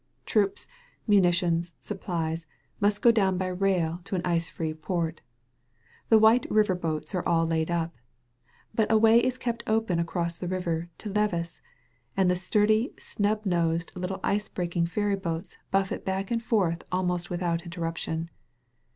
Troops, munitions, supplies, must go down by rail to an ice free port. The white river boats are all laid up. But a way is kept open across the river to Levis, and the sturdy, snub nosed little ice break ing ferry boats buffet back and forth almost with out interruption.